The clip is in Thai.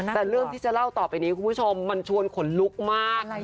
แต่เรื่องที่จะเล่าต่อไปนี้คุณผู้ชมมันชวนขนลุกมาก